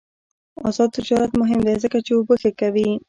آزاد تجارت مهم دی ځکه چې اوبه ښه کوي.